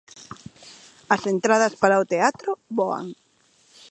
As entradas para o teatro, voan.